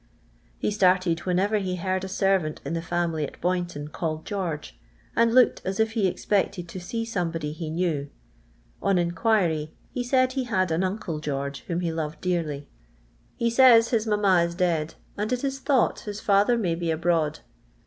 He stjirted whenever he heard a servant in the family at Boynton called George, and looki d n.H if he expected \% sec somebody he knew ; on inquiry, he said he had an uncle (Jeorge, wlioni he loved dearly. He says his mamma is dead, and it is tlmught his father may be abroad.